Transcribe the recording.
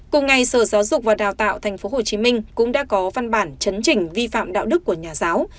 cùng ngày sở giáo dục và đào tạo tp hồ chí minh cũng đã có văn bản chấn chỉnh vi phạm đạo đức của nhà giáo